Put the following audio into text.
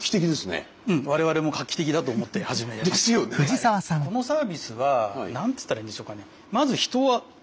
うん我々もこのサービスは何つったらいいんでしょうかね。